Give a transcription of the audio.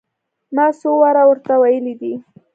ما څو واره ور ته ويلي دي.